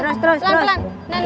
terus terus terus